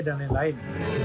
dan yang lain